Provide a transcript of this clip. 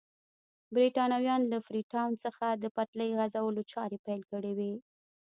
برېټانویانو له فري ټاون څخه د پټلۍ غځولو چارې پیل کړې وې.